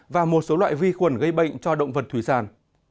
và một số loại vi khuẩn gây bệnh cho động vật thủy sản